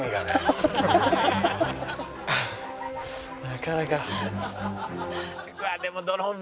なかなか。